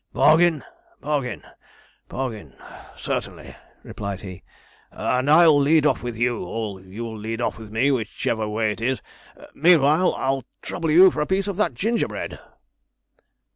'Bargain, bargain, bargain certainly,' replied he; 'and I'll lead off with you, or you'll lead off with me whichever way it is meanwhile, I'll trouble you for a piece of that gingerbread.'